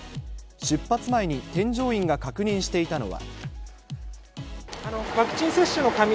出発前に添乗員が確認していたのは。